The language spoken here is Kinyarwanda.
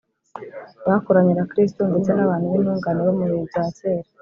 . Bakoranye na Kristo ndetse n’abantu b’intungane bo mu bihe bya kera